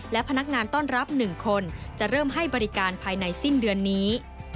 และพนักงานต้อนรับ๑คนจะเริ่มให้บริการภายในสิ้นเดือนนี้